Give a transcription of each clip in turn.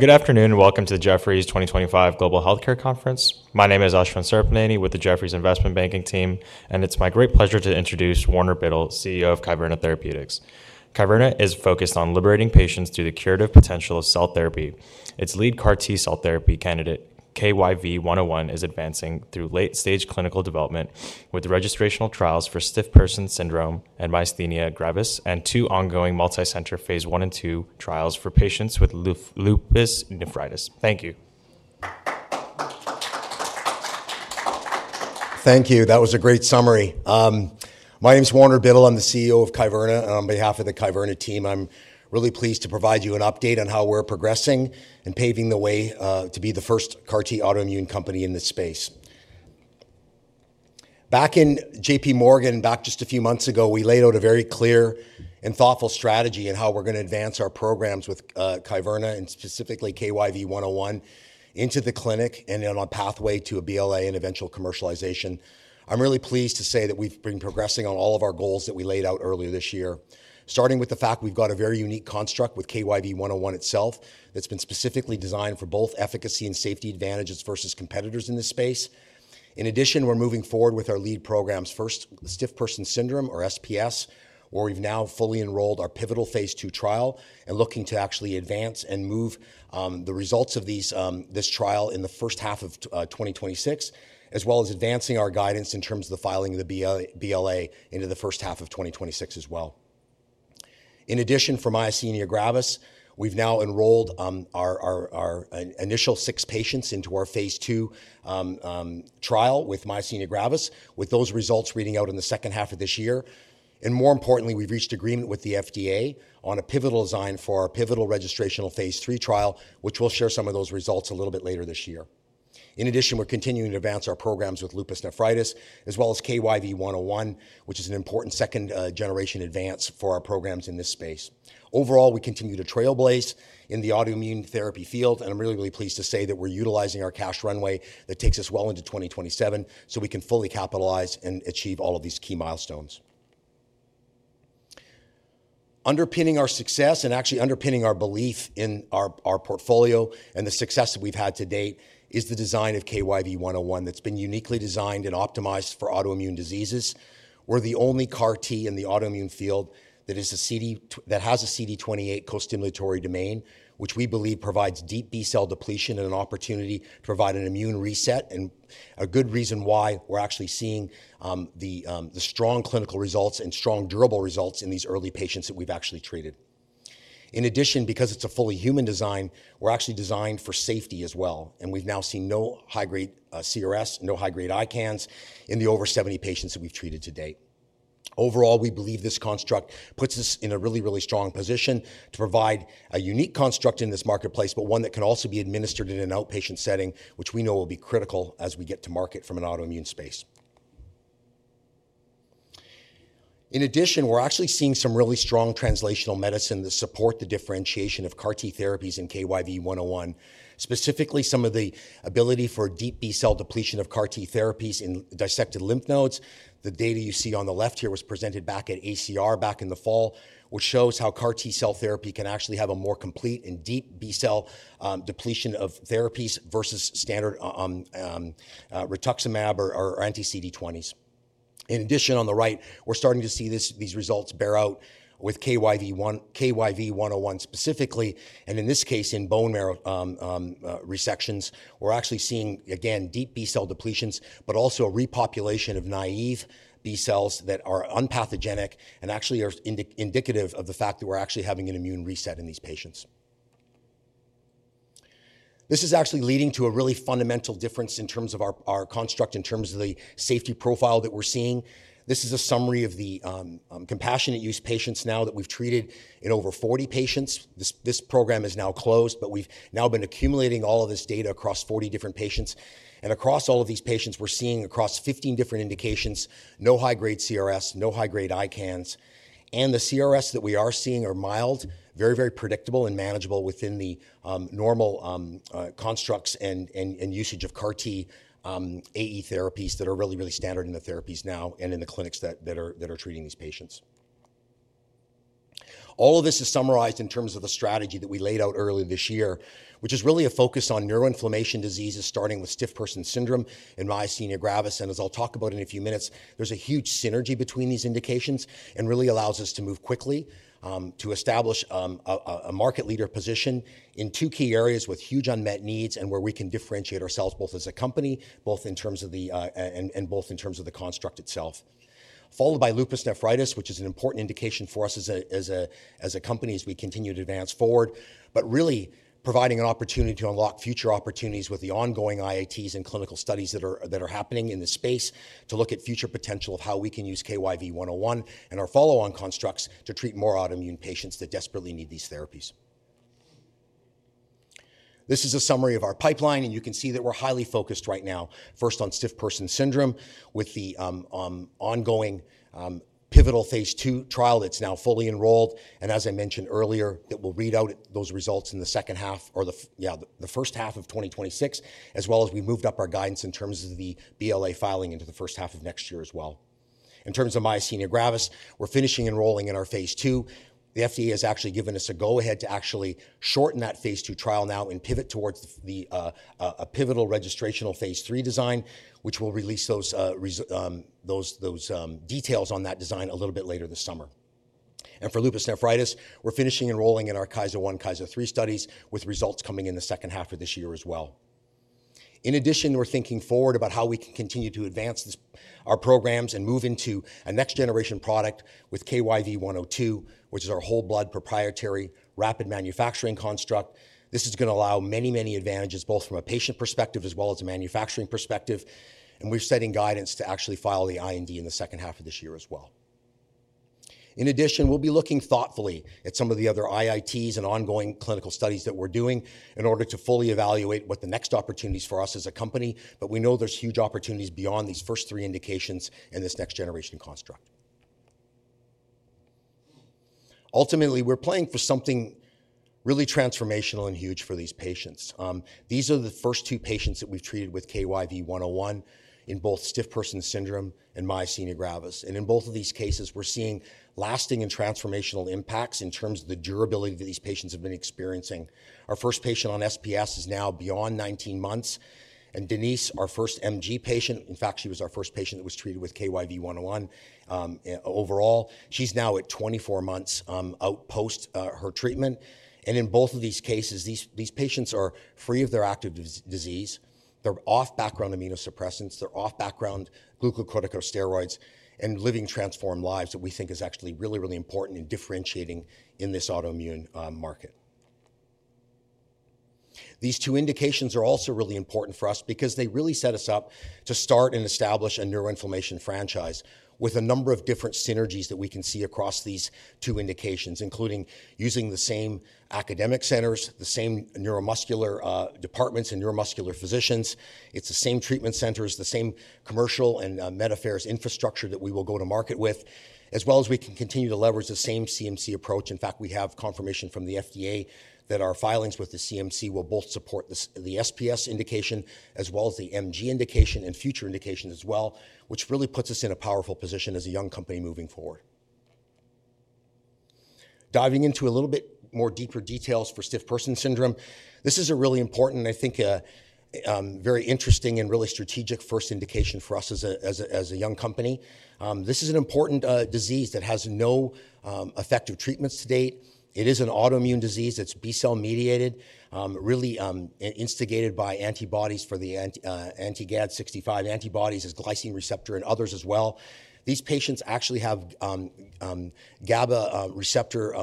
Good afternoon and welcome to the Jefferies 2025 Global Healthcare Conference. My name is Ashwin Serafiani with the Jefferies Investment Banking team, and it's my great pleasure to introduce Warner Biddle, CEO of Kyverna Therapeutics. Kyverna is focused on liberating patients through the curative potential of cell therapy. Its lead CAR-T cell therapy candidate, KYV-101, is advancing through late-stage clinical development with registrational trials for stiff-person syndrome and myasthenia gravis, and two ongoing multicenter phase I and II trials for patients with lupus nephritis. Thank you. Thank you. That was a great summary. My name is Warner Biddle. I'm the CEO of Kyverna. On behalf of the Kyverna team, I'm really pleased to provide you an update on how we're progressing and paving the way to be the first CAR-T autoimmune company in this space. Back in JPMorgan, back just a few months ago, we laid out a very clear and thoughtful strategy on how we're going to advance our programs with Kyverna and specifically KYV-101 into the clinic and on a pathway to a BLA and eventual commercialization. I'm really pleased to say that we've been progressing on all of our goals that we laid out earlier this year, starting with the fact we've got a very unique construct with KYV-101 itself that's been specifically designed for both efficacy and safety advantages versus competitors in this space. In addition, we're moving forward with our lead programs, first stiff-person syndrome or SPS, where we've now fully enrolled our pivotal phase two trial and looking to actually advance and move the results of this trial in the first half of 2026, as well as advancing our guidance in terms of the filing of the BLA into the first half of 2026 as well. In addition, for myasthenia gravis, we've now enrolled our initial six patients into our phase two trial with myasthenia gravis, with those results reading out in the second half of this year. More importantly, we've reached agreement with the FDA on a pivotal design for our pivotal registrational phase three trial, which we'll share some of those results a little bit later this year. In addition, we're continuing to advance our programs with lupus nephritis, as well as KYV-101, which is an important second-generation advance for our programs in this space. Overall, we continue to trailblaze in the autoimmune therapy field, and I'm really, really pleased to say that we're utilizing our cash runway that takes us well into 2027 so we can fully capitalize and achieve all of these key milestones. Underpinning our success and actually underpinning our belief in our portfolio and the success that we've had to date is the design of KYV-101 that's been uniquely designed and optimized for autoimmune diseases. We're the only CAR-T in the autoimmune field that has a CD28 co-stimulatory domain, which we believe provides deep B-cell depletion and an opportunity to provide an immune reset, and a good reason why we're actually seeing the strong clinical results and strong durable results in these early patients that we've actually treated. In addition, because it's a fully human design, we're actually designed for safety as well, and we've now seen no high-grade CRS, no high-grade ICANS in the over 70 patients that we've treated to date. Overall, we believe this construct puts us in a really, really strong position to provide a unique construct in this marketplace, but one that can also be administered in an outpatient setting, which we know will be critical as we get to market from an autoimmune space. In addition, we're actually seeing some really strong translational medicine to support the differentiation of CAR-T therapies in KYV-101, specifically some of the ability for deep B-cell depletion of CAR-T therapies in dissected lymph nodes. The data you see on the left here was presented back at ACR back in the fall, which shows how CAR-T cell therapy can actually have a more complete and deep B-cell depletion of therapies versus standard rituximab or anti-CD20s. In addition, on the right, we're starting to see these results bear out with KYV-101 specifically, and in this case, in bone marrow resections, we're actually seeing, again, deep B-cell depletions, but also a repopulation of naive B-cells that are unpathogenic and actually are indicative of the fact that we're actually having an immune reset in these patients. This is actually leading to a really fundamental difference in terms of our construct, in terms of the safety profile that we're seeing. This is a summary of the compassionate use patients now that we've treated in over 40 patients. This program is now closed, but we've now been accumulating all of this data across 40 different patients. Across all of these patients, we're seeing across 15 different indications, no high-grade CRS, no high-grade ICANS. The CRS that we are seeing are mild, very, very predictable and manageable within the normal constructs and usage of CAR-T AE therapies that are really, really standard in the therapies now and in the clinics that are treating these patients. All of this is summarized in terms of the strategy that we laid out earlier this year, which is really a focus on neuroinflammation diseases starting with stiff-person syndrome and myasthenia gravis. As I'll talk about in a few minutes, there's a huge synergy between these indications and it really allows us to move quickly to establish a market leader position in two key areas with huge unmet needs and where we can differentiate ourselves both as a company, both in terms of the construct itself, followed by lupus nephritis, which is an important indication for us as a company as we continue to advance forward, but really providing an opportunity to unlock future opportunities with the ongoing IATs and clinical studies that are happening in this space to look at future potential of how we can use KYV-101 and our follow-on constructs to treat more autoimmune patients that desperately need these therapies. This is a summary of our pipeline, and you can see that we're highly focused right now, first on stiff-person syndrome with the ongoing pivotal phase two trial that's now fully enrolled. As I mentioned earlier, that will read out those results in the second half or the first half of 2026, as well as we moved up our guidance in terms of the BLA filing into the first half of next year as well. In terms of myasthenia gravis, we're finishing enrolling in our phase two. The FDA has actually given us a go-ahead to actually shorten that phase two trial now and pivot towards a pivotal registrational phase three design, which will release those details on that design a little bit later this summer. For lupus nephritis, we're finishing enrolling in our KYV-101, KYV-103 studies with results coming in the second half of this year as well. In addition, we're thinking forward about how we can continue to advance our programs and move into a next-generation product with KYV-102, which is our whole blood proprietary rapid manufacturing construct. This is going to allow many, many advantages both from a patient perspective as well as a manufacturing perspective. We're setting guidance to actually file the IND in the second half of this year as well. In addition, we'll be looking thoughtfully at some of the other IITs and ongoing clinical studies that we're doing in order to fully evaluate what the next opportunities are for us as a company. We know there's huge opportunities beyond these first three indications and this next-generation construct. Ultimately, we're playing for something really transformational and huge for these patients. These are the first two patients that we've treated with KYV-101 in both stiff-person syndrome and myasthenia gravis. In both of these cases, we're seeing lasting and transformational impacts in terms of the durability that these patients have been experiencing. Our first patient on SPS is now beyond 19 months. Denise, our first MG patient, in fact, she was our first patient that was treated with KYV-101 overall, she's now at 24 months out post her treatment. In both of these cases, these patients are free of their active disease. They're off background immunosuppressants. They're off background glucocorticosteroids and living transformed lives that we think is actually really, really important in differentiating in this autoimmune market. These two indications are also really important for us because they really set us up to start and establish a neuroinflammation franchise with a number of different synergies that we can see across these two indications, including using the same academic centers, the same neuromuscular departments and neuromuscular physicians. It is the same treatment centers, the same commercial and med affairs infrastructure that we will go to market with, as well as we can continue to leverage the same CMC approach. In fact, we have confirmation from the FDA that our filings with the CMC will both support the SPS indication as well as the MG indication and future indications as well, which really puts us in a powerful position as a young company moving forward. Diving into a little bit more deeper details for stiff-person syndrome, this is a really important and I think very interesting and really strategic first indication for us as a young company. This is an important disease that has no effective treatments to date. It is an autoimmune disease. It's B-cell mediated, really instigated by antibodies for the anti-GAD65 antibodies as glycine receptor and others as well. These patients actually have GABA receptor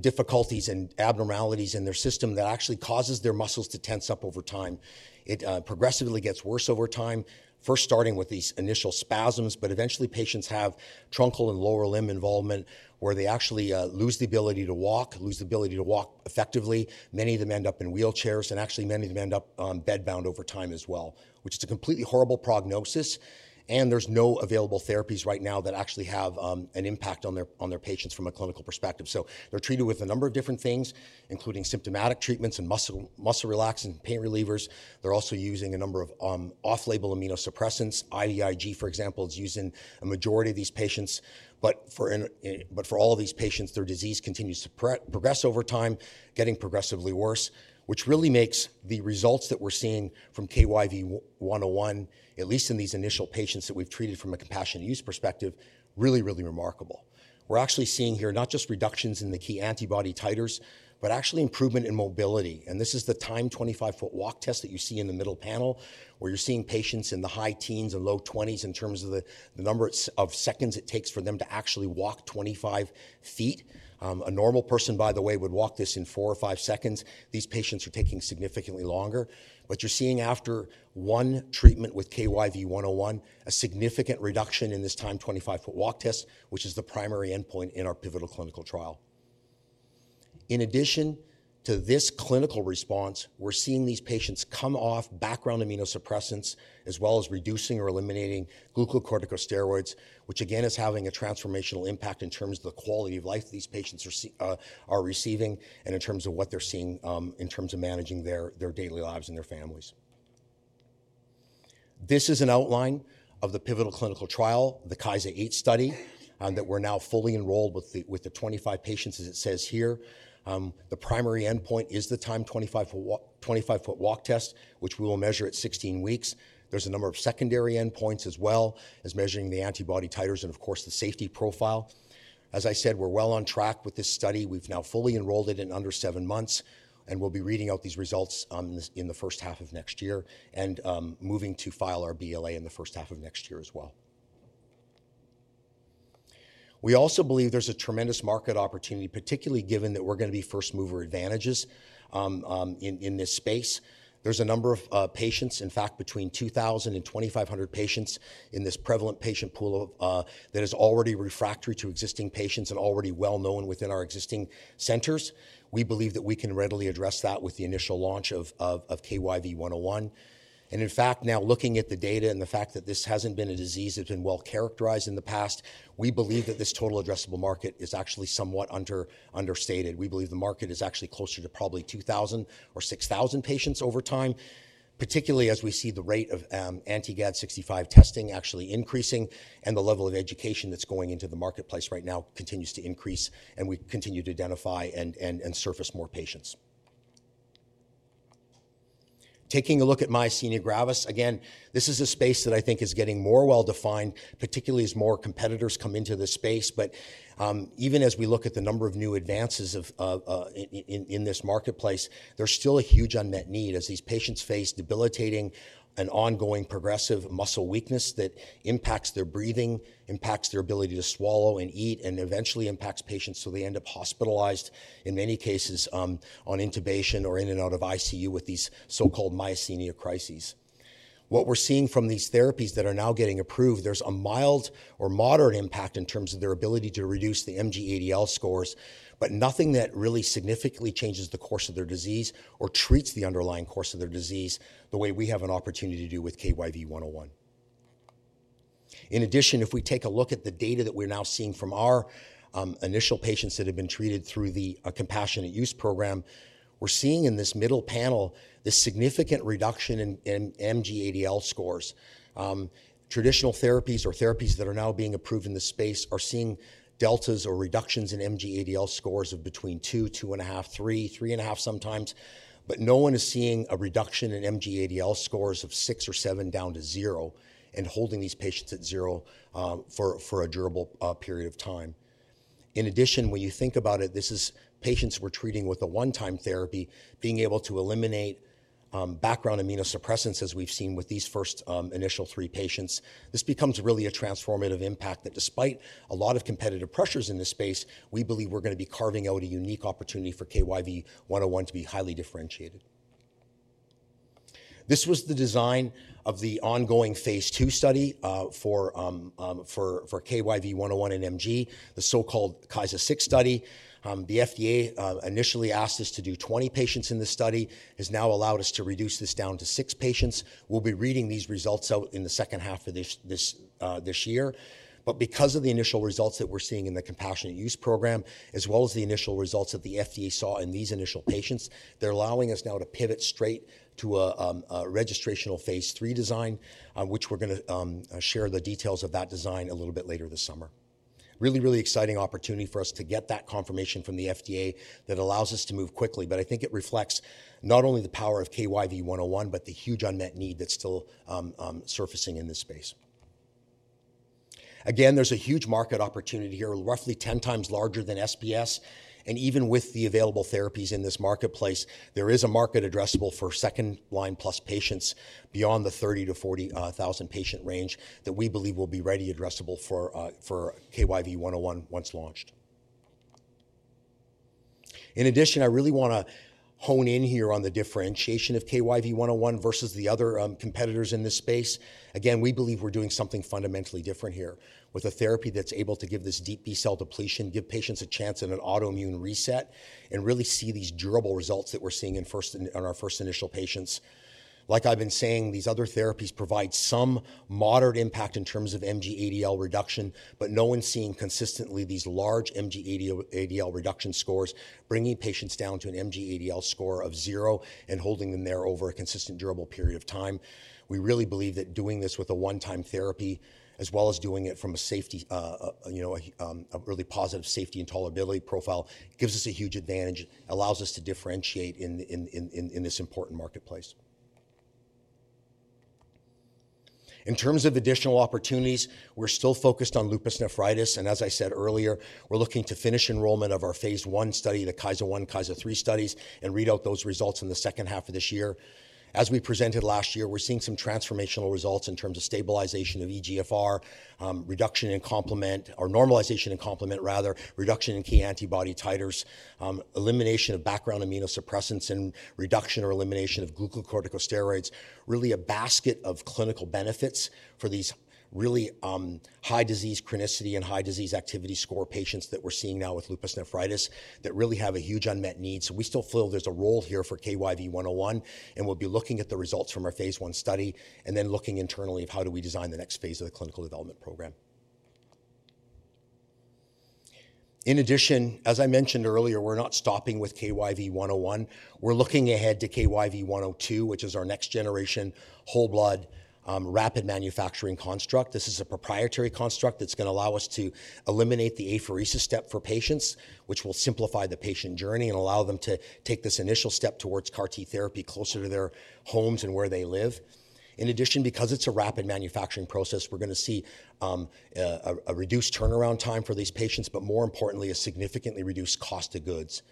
difficulties and abnormalities in their system that actually causes their muscles to tense up over time. It progressively gets worse over time, first starting with these initial spasms, but eventually patients have truncal and lower limb involvement where they actually lose the ability to walk, lose the ability to walk effectively. Many of them end up in wheelchairs and actually many of them end up bedbound over time as well, which is a completely horrible prognosis. There are no available therapies right now that actually have an impact on their patients from a clinical perspective. They are treated with a number of different things, including symptomatic treatments and muscle relaxants and pain relievers. They are also using a number of off-label immunosuppressants. IVIG, for example, is used in a majority of these patients. For all of these patients, their disease continues to progress over time, getting progressively worse, which really makes the results that we are seeing from KYV-101, at least in these initial patients that we have treated from a compassionate use perspective, really, really remarkable. We are actually seeing here not just reductions in the key antibody titers, but actually improvement in mobility. This is the time 25-foot walk test that you see in the middle panel, where you're seeing patients in the high teens and low 20s in terms of the number of seconds it takes for them to actually walk 25 feet. A normal person, by the way, would walk this in four or five seconds. These patients are taking significantly longer. You're seeing after one treatment with KYV-101, a significant reduction in this time 25-foot walk test, which is the primary endpoint in our pivotal clinical trial. In addition to this clinical response, we're seeing these patients come off background immunosuppressants as well as reducing or eliminating glucocorticosteroids, which again is having a transformational impact in terms of the quality of life these patients are receiving and in terms of what they're seeing in terms of managing their daily lives and their families. This is an outline of the pivotal clinical trial, the KYV-101 study that we're now fully enrolled with the 25 patients, as it says here. The primary endpoint is the time 25-foot walk test, which we will measure at 16 weeks. There's a number of secondary endpoints as well as measuring the antibody titers and, of course, the safety profile. As I said, we're well on track with this study. We've now fully enrolled it in under seven months, and we'll be reading out these results in the first half of next year and moving to file our BLA in the first half of next year as well. We also believe there's a tremendous market opportunity, particularly given that we're going to be first mover advantages in this space. There's a number of patients, in fact, between 2,000 and 2,500 patients in this prevalent patient pool that is already refractory to existing patients and already well known within our existing centers. We believe that we can readily address that with the initial launch of KYV-101. In fact, now looking at the data and the fact that this has not been a disease that has been well characterized in the past, we believe that this total addressable market is actually somewhat understated. We believe the market is actually closer to probably 2,000 or 6,000 patients over time, particularly as we see the rate of anti-GAD65 testing actually increasing and the level of education that is going into the marketplace right now continues to increase and we continue to identify and surface more patients. Taking a look at Myasthenia gravis, again, this is a space that I think is getting more well defined, particularly as more competitors come into this space. Even as we look at the number of new advances in this marketplace, there's still a huge unmet need as these patients face debilitating and ongoing progressive muscle weakness that impacts their breathing, impacts their ability to swallow and eat, and eventually impacts patients so they end up hospitalized in many cases on intubation or in and out of ICU with these so-called myasthenia crises. What we're seeing from these therapies that are now getting approved, there's a mild or moderate impact in terms of their ability to reduce the MG ADL scores, but nothing that really significantly changes the course of their disease or treats the underlying course of their disease the way we have an opportunity to do with KYV-101. In addition, if we take a look at the data that we're now seeing from our initial patients that have been treated through the compassionate use program, we're seeing in this middle panel this significant reduction in MG ADL scores. Traditional therapies or therapies that are now being approved in this space are seeing deltas or reductions in MG ADL scores of between two, two and a half, three, three and a half sometimes. No one is seeing a reduction in MG ADL scores of six or seven down to zero and holding these patients at zero for a durable period of time. In addition, when you think about it, this is patients we're treating with a one-time therapy, being able to eliminate background immunosuppressants as we've seen with these first initial three patients. This becomes really a transformative impact that despite a lot of competitive pressures in this space, we believe we're going to be carving out a unique opportunity for KYV-101 to be highly differentiated. This was the design of the ongoing phase two study for KYV-101 in MG, the so-called KYZO-6 study. The FDA initially asked us to do 20 patients in this study. It has now allowed us to reduce this down to six patients. We'll be reading these results out in the second half of this year. Because of the initial results that we're seeing in the compassionate use program, as well as the initial results that the FDA saw in these initial patients, they're allowing us now to pivot straight to a registrational phase three design, which we're going to share the details of that design a little bit later this summer. Really, really exciting opportunity for us to get that confirmation from the FDA that allows us to move quickly. I think it reflects not only the power of KYV-101, but the huge unmet need that's still surfacing in this space. Again, there's a huge market opportunity here, roughly 10 times larger than SPS. Even with the available therapies in this marketplace, there is a market addressable for second line plus patients beyond the 30,000-40,000 patient range that we believe will be readily addressable for KYV-101 once launched. In addition, I really want to hone in here on the differentiation of KYV-101 versus the other competitors in this space. Again, we believe we're doing something fundamentally different here with a therapy that's able to give this deep B-cell depletion, give patients a chance at an autoimmune reset, and really see these durable results that we're seeing in our first initial patients. Like I've been saying, these other therapies provide some moderate impact in terms of MG ADL reduction, but no one's seeing consistently these large MG ADL reduction scores bringing patients down to an MG ADL score of zero and holding them there over a consistent durable period of time. We really believe that doing this with a one-time therapy, as well as doing it from a really positive safety and tolerability profile, gives us a huge advantage, allows us to differentiate in this important marketplace. In terms of additional opportunities, we're still focused on lupus nephritis. As I said earlier, we're looking to finish enrollment of our phase I study, the KYV-101, KYV-102 studies, and read out those results in the second half of this year. As we presented last year, we're seeing some transformational results in terms of stabilization of eGFR, reduction in complement or normalization in complement, rather, reduction in key antibody titers, elimination of background immunosuppressants, and reduction or elimination of glucocorticosteroids. Really a basket of clinical benefits for these really high disease chronicity and high disease activity score patients that we're seeing now with lupus nephritis that really have a huge unmet need. We still feel there's a role here for KYV-101, and we'll be looking at the results from our phase I study and then looking internally at how do we design the next phase of the clinical development program. In addition, as I mentioned earlier, we're not stopping with KYV-101. We're looking ahead to KYV-102, which is our next generation whole blood rapid manufacturing construct. This is a proprietary construct that's going to allow us to eliminate the apheresis step for patients, which will simplify the patient journey and allow them to take this initial step towards CAR-T therapy closer to their homes and where they live. In addition, because it's a rapid manufacturing process, we're going to see a reduced turnaround time for these patients, but more importantly, a significantly reduced cost of goods.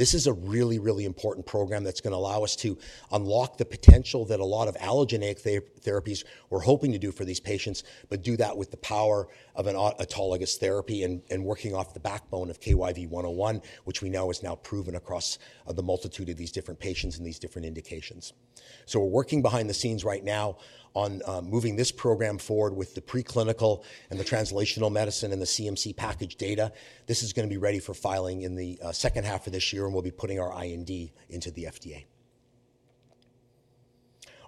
This is a really, really important program that's going to allow us to unlock the potential that a lot of allogeneic therapies were hoping to do for these patients, but do that with the power of an autologous therapy and working off the backbone of KYV-101, which we know is now proven across the multitude of these different patients and these different indications. We are working behind the scenes right now on moving this program forward with the preclinical and the translational medicine and the CMC package data. This is going to be ready for filing in the second half of this year, and we'll be putting our IND into the FDA.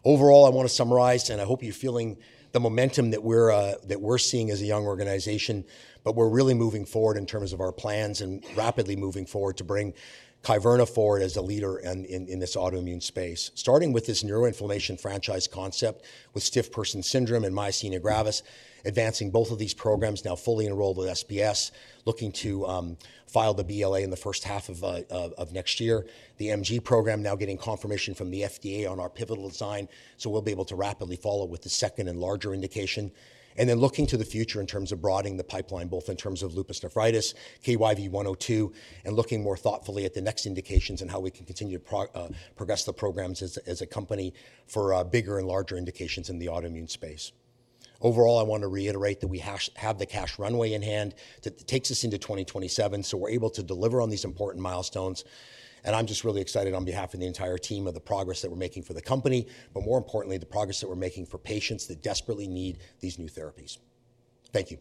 Overall, I want to summarize, and I hope you're feeling the momentum that we're seeing as a young organization, but we're really moving forward in terms of our plans and rapidly moving forward to bring Kyverna forward as a leader in this autoimmune space. Starting with this neuroinflammation franchise concept with stiff-person syndrome and myasthenia gravis, advancing both of these programs now fully enrolled with SPS, looking to file the BLA in the first half of next year. The MG program now getting confirmation from the FDA on our pivotal design, so we'll be able to rapidly follow with the second and larger indication. Looking to the future in terms of broadening the pipeline, both in terms of lupus nephritis, KYV-102, and looking more thoughtfully at the next indications and how we can continue to progress the programs as a company for bigger and larger indications in the autoimmune space. Overall, I want to reiterate that we have the cash runway in hand that takes us into 2027, so we're able to deliver on these important milestones. I'm just really excited on behalf of the entire team of the progress that we're making for the company, but more importantly, the progress that we're making for patients that desperately need these new therapies. Thank you.